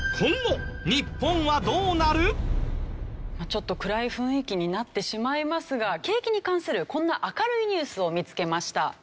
ちょっと暗い雰囲気になってしまいますが景気に関するこんな明るいニュースを見つけました。